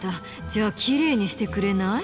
じゃあきれいにしてくれない？